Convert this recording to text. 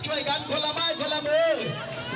ช่วยกันคนละบ้านคนละมือ